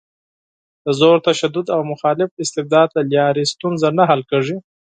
د زور، تشدد او مخالف استبداد له لارې ستونزه نه حل کېږي.